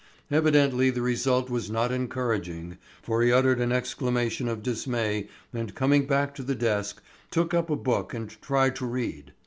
Evidently the result was not encouraging for he uttered an exclamation of dismay and coming back to the desk, took up a book and tried to read.